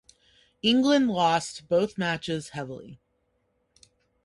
England lost both matches heavily.